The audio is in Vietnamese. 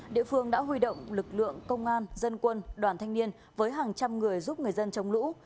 địa phương đã huy động lực lượng công an dân quân đoàn thanh niên với hàng trăm người giúp người dân chống lũ